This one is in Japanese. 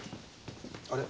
あれ？